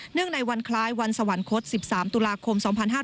เนื่องในวันคล้ายวันสวรรคศ๑๓ตุลาคม๒๕๖๑